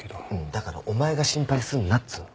だからお前が心配すんなっつうの。